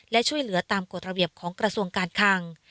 และช่วยเหลือตามกฎระเบียบของกระทรวงการคัง